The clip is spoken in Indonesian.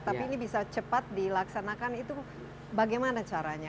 tapi ini bisa cepat dilaksanakan itu bagaimana caranya